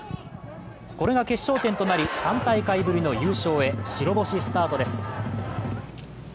これが決勝点となり、３大会ぶりの優勝へ白星スタートです。